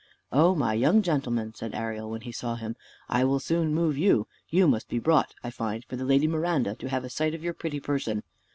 "O my young gentleman," said Ariel, when he saw him, "I will soon move you. You must be brought, I find, for the Lady Miranda to have a sight of your pretty person.